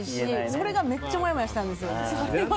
それが、めっちゃもやもやしたんですよ。